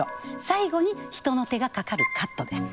最後に人の手がかかる「カット」です。